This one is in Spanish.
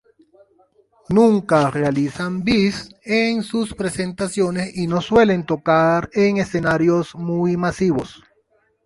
Nunca realizan bis en sus presentaciones y no suelen tocar en escenarios muy masivos.